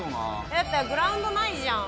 だってグラウンドないじゃん。